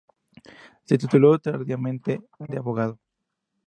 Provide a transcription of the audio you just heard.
Se tituló, tardíamente, de abogado.